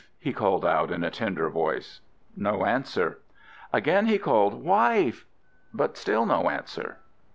he called out, in a tender voice. No answer. Again he called "Wife!" but still no answer.